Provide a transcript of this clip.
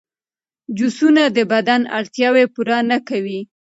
جوسونه د بدن اړتیاوې پوره نه کوي.